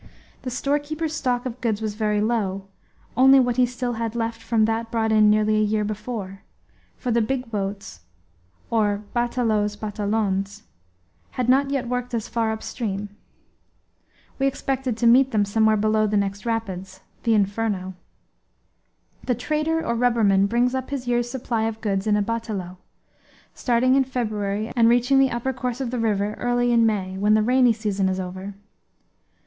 The storekeeper's stock of goods was very low, only what he still had left from that brought in nearly a year before; for the big boats, or batelaos batelons had not yet worked as far up stream. We expected to meet them somewhere below the next rapids, the Inferno. The trader or rubberman brings up his year's supply of goods in a batelao, starting in February and reaching the upper course of the river early in May, when the rainy season is over.